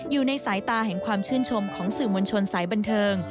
อยู่ในสายตาแห่งความชื่นชมของสื่อมวลชนสายบันเทิง